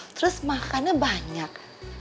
terus makannya banyak